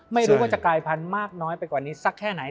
ไม่รู้ว่าจะกลายพันธุ์มากน้อยไปกว่านี้สักแค่ไหน